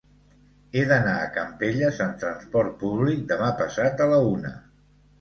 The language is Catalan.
He d'anar a Campelles amb trasport públic demà passat a la una.